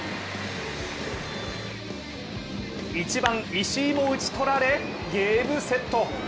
１番・石井も打ち取られゲームセット。